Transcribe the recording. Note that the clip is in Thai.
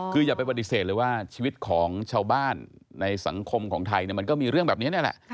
คืออย่าไปปฏิเสธเลยว่าชีวิตของชาวบ้านในสังคมของไทยมันก็มีเรื่องแบบนี้นี่แหละ